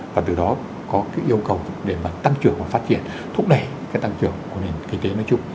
và từ đó có cái yêu cầu để mà tăng trưởng và phát triển thúc đẩy cái tăng trưởng của nền kinh tế nói chung